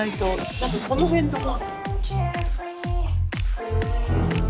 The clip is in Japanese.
何かこの辺とか。